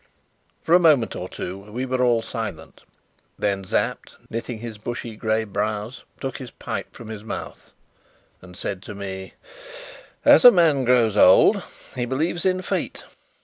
For a moment or two we were all silent; then Sapt, knitting his bushy grey brows, took his pipe from his mouth and said to me: "As a man grows old he believes in Fate.